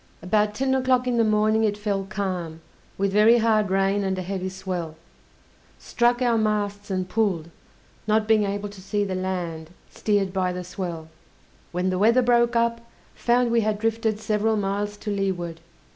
About ten o'clock in the morning it fell calm, with very hard rain and a heavy swell; struck our masts and pulled, not being able to see the land, steered by the swell. When the weather broke up, found we had drifted several miles to leeward.